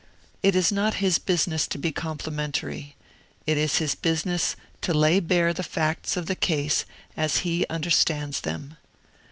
It is not his business to be complimentary; it is his business to lay bare the facts of the case, as he understands them.